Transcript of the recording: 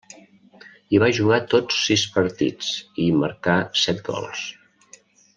Hi va jugar tots sis partits, i hi marcà set gols.